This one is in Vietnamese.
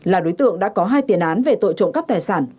là đối tượng đã có hai tiền án về tội trộm cắp tài sản